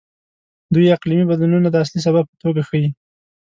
دوی اقلیمي بدلونونه د اصلي سبب په توګه ښيي.